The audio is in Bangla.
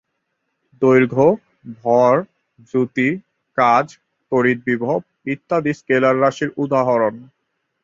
দৈর্ঘ্য, ভর, দ্রুতি, কাজ, তড়িৎ বিভব ইত্যাদি স্কেলার রাশির উদাহরণ।